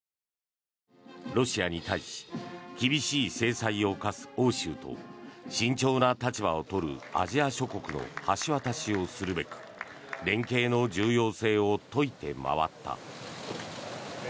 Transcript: ロシアに対し厳しい制裁を科す欧州と慎重な立場を取るアジア諸国の橋渡しをするべく連携の重要性を説いて回った。